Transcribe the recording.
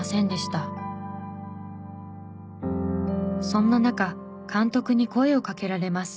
そんな中監督に声を掛けられます。